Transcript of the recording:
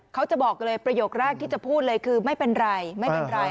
เขาจะบอกเลยประโยคแรกที่จะพูดเลยคือไม่เป็นไรไม่เป็นไร